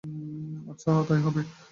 আচ্ছা, তাই হবে!